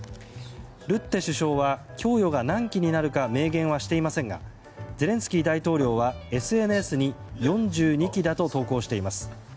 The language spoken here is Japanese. ルッテ首相は供与が何機になるか明言はしていませんがゼレンスキー大統領はＳＮＳに４２機だと投稿しています。